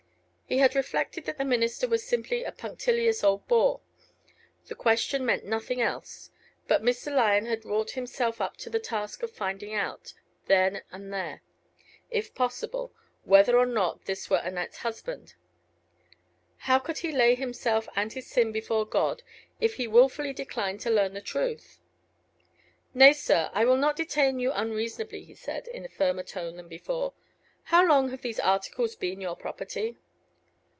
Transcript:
He had reflected that the minister was simply a punctilious old bore. The question meant nothing else. But Mr. Lyon had wrought himself up to the task of finding out, then and there, if possible, whether or not this were Annette's husband. How could he lay himself and his sin before God if he wilfully declined to learn the truth? "Nay, sir, I will not detain you unreasonably," he said, in a firmer tone than before. "How long have these articles been your property?"